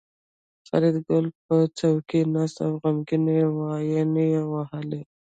فریدګل په څوکۍ ناست و او غمګین وایلون یې واهه